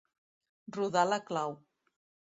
Rodar la clau.